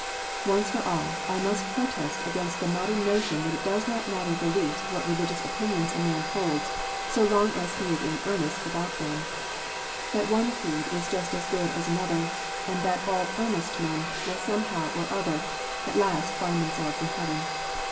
Once for all, I must protest against the modern notion, that it does not matter the least what religious opinions a man holds, so long as he is in " earnest " about them, that one creed is just as good as another, and that all " earnest " men will some how or other at last find themselves in heaven.